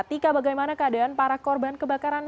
tika bagaimana keadaan para korban kebakaran